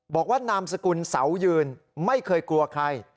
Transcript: นามสกุลเสายืนไม่เคยกลัวใคร